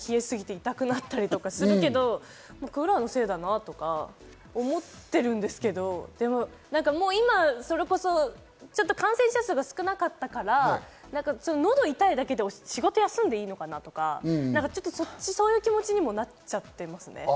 クーラーのせいだなとか思ってるんですけど、それこそ感染者数が少なかったから、喉痛いだけで仕事休んでいいのかなとか、そういう気持ちにもなっちゃってますね。